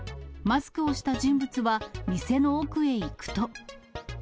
マスクをした人物は、店の奥へ行くと。